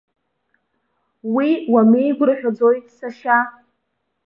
Уи уамеигәырӷьаӡои, сашьа?